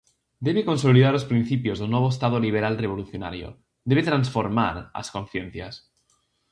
Debe consolidar os principios do novo Estado liberal revolucionario, debe transformar as conciencias.